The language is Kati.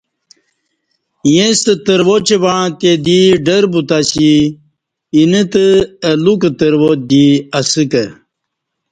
ہیݩستہ ترواچ وعݩتے دی ڈر بوتہ اسی اینہ تہ اہ لوکہ ترواچ دی اسہ کہ